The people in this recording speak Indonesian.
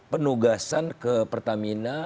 penugasan ke pertamina